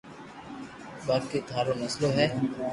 باقي ٿارو مسلئ ھي